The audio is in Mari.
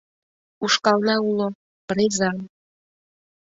Ушкална уло, презан.